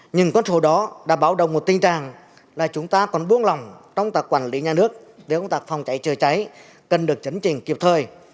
những con số đó đã báo đồng một tình trạng là chúng ta còn buông lòng trong tác quản lý nhà nước về công tác phòng cháy chữa cháy cần được chấn trình kịp thời